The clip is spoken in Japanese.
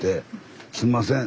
すんません。